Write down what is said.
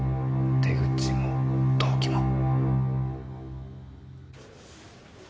手口も動機も。